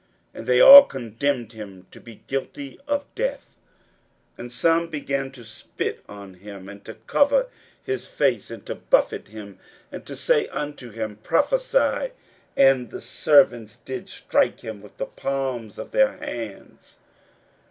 And they all condemned him to be guilty of death. 41:014:065 And some began to spit on him, and to cover his face, and to buffet him, and to say unto him, Prophesy: and the servants did strike him with the palms of their hands.